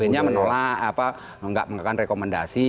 tacb nya menolak tidak menggunakan rekomendasi